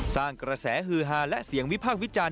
สร้างกระแสฮือฮาและเสียงวิพากษ์วิจารณ